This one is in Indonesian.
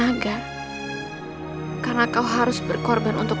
ibu yang dihajar sama bapak